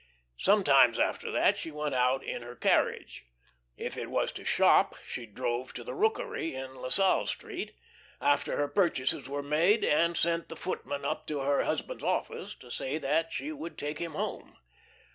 Sometimes after that she went out in her carriage. If it was to "shop" she drove to the "Rookery," in La Salle Street, after her purchases were made, and sent the footman up to her husband's office to say that she would take him home.